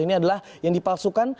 ini adalah yang dipalsukan